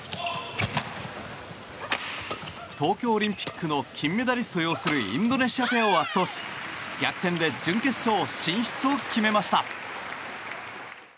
東京オリンピックの金メダリストを擁するインドネシアペアを圧倒し逆転で準決勝進出を決めました。